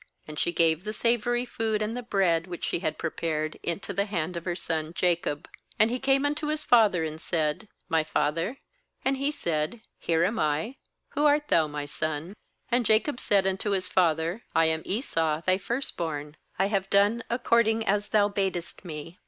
17And she gave the savoury food and the bread, which she had pre pared, into the hand of her son Jacob. 18And he came unto his father, and said :' My father '; and he said : l Here am I; who art thou, my son?' 19And Jacob said unto his father: 'I am Esau thy first born; I have done according as thou badest me.